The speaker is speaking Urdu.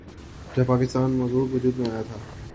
جب پاکستان معرض وجود میں آیا تھا۔